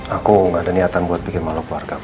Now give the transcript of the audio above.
aku gak ada niatan buat bikin malu keluarga pa